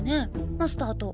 マスターと。